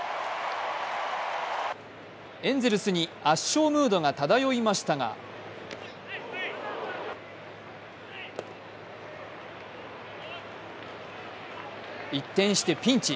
エンゼルスに圧勝ムードが漂いましたが一転してピンチ。